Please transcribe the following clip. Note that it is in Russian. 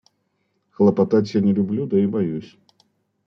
Хлопотать я не люблю, да и боюсь.